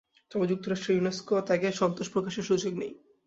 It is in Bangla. তবে যুক্তরাষ্ট্রের ইউনেসকো ত্যাগে সন্তোষ প্রকাশের সুযোগ নেই।